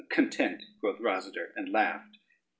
"Content," quoth Rosader, and laughed.